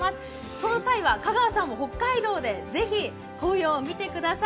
その際は香川さんも北海道でぜひ紅葉を見てください。